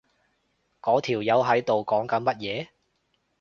嗰條友喺度講緊乜嘢？